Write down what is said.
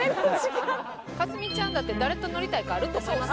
架純ちゃんだって誰と乗りたいかあると思います。